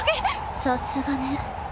さすがね。